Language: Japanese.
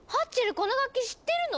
この楽器知ってるの？